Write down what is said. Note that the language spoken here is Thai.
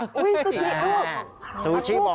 อุ้ยซูชี้บุก